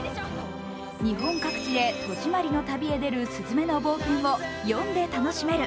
日本各地で戸締まりの旅へ出るすずめの冒険を読んで楽しめる